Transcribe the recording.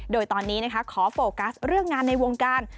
โดยตอนนี้นะคะขอโฟกัสเรื่องงานในวงการ